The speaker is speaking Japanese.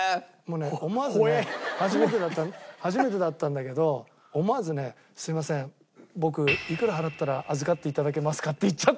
思わずね初めてだったんだけど思わずね「すみません僕いくら払ったら預かって頂けますか？」って言っちゃった。